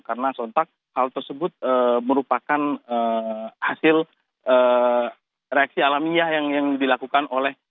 karena contoh hal tersebut merupakan hasil reaksi alamiah yang dilakukan oleh